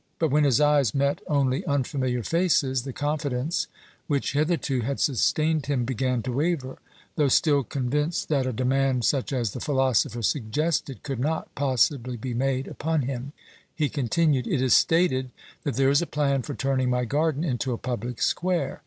But when his eyes met only unfamiliar faces, the confidence which hitherto had sustained him began to waver, though still convinced that a demand such as the philosopher suggested could not possibly be made upon him, he continued: "It is stated that there is a plan for turning my garden into a public square.